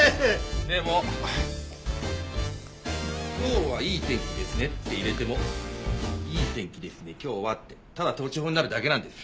でも「今日はいい天気ですね」って入れても「いい天気ですね今日は」ってただ倒置法になるだけなんです。